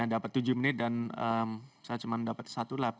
dapat tujuh menit dan saya cuma dapat satu lap